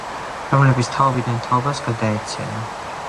რომლებიც თაობიდან თაობას გადაეცემა.